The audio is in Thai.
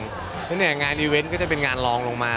เพราะฉะนั้นงานอีเวนต์ก็จะเป็นงานลองลงมา